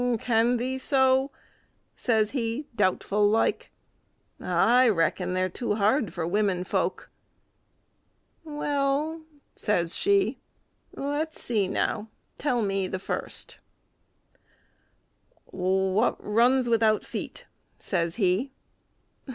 "Can thee so?" says he, doubtful like; "I reckon they're too hard for women folk." "Well," says she, "let's see now. Tell me the first" "What runs without feet?" says he.